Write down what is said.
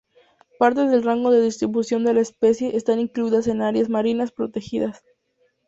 Partes del rango de distribución de la especie están incluidas en Áreas Marinas Protegidas.